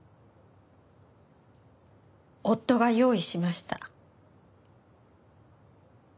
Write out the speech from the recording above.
夫が用意しました。